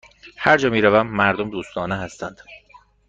هرجا می روم، مردم دوستانه هستند.